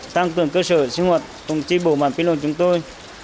tăng cường cơ sở sinh hoạt đồng chí bổ bản kinh lộn chúng tôi